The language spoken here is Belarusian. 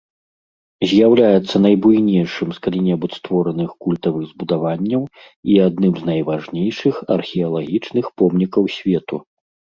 З'яўляецца найбуйнейшым з калі-небудзь створаных культавых збудаванняў і адным з найважнейшых археалагічных помнікаў свету.